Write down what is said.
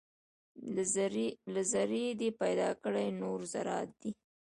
له ذرې دې پیدا کړي نور ذرات دي